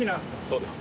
そうです。